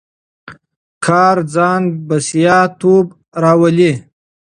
کار ځان بسیا توب راولي.